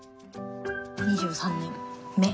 ２３年目。